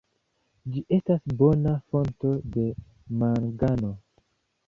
Ĝi estas bona fonto de mangano.